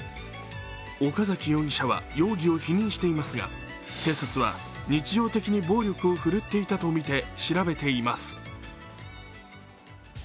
岡崎容疑者は容疑を否認していますが警察は日常的に暴力を振るっていたとみて調べています。